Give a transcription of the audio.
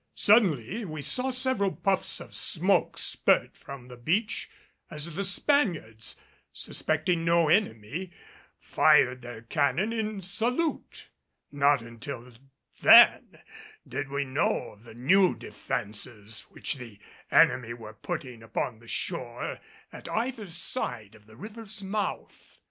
Suddenly we saw several puffs of smoke spurt from the beach as the Spaniards, suspecting no enemy, fired their cannon in salute. Not until then did we know of the new defenses which the enemy were putting upon the shore at either side of the river's mouth.